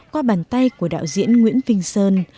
qua bàn tay của đạo diễn nguyễn vinh sơn